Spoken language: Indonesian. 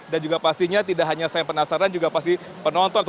dan juga pastinya tidak hanya saya penasaran juga pasti penonton